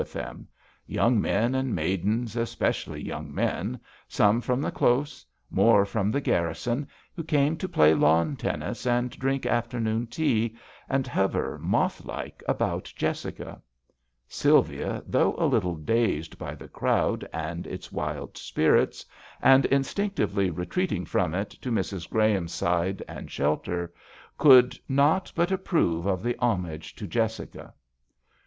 with them ; young men and maidens, especially young men, Bome from the Close, more from the garrison, who came to play lawn tennis and drink afternoon tea and hover, moth like, about Jessica. Sylvia, though a little dazed by the crowd and its wild spirits, and instinctively retreat ing from it to Mrs. Graham's side and shelter, could not but approve of the homage to Jessica.